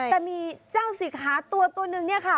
แต่มีเจ้าสิทธิ์ค้าตัวหนึ่งเนี่ยค่ะ